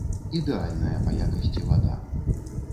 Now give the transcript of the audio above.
Ідэальная па якасці вада.